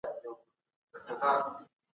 ایا سیاسي بنسټونه پوره واک لري؟